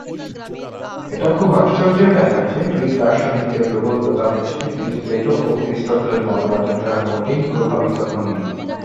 এটা খুব আশ্চর্যের ব্যাপার যে, গ্রিক দার্শনিকদের প্রবল প্রতাপের যুগে, তিনি প্লেটো ও এরিস্টটলের মতবাদের দ্বারা মোটেই প্রভাবিত হননি।